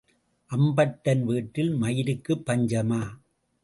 அம்பட்டன் வீட்டில் மயிருக்குப் பஞ்சமா?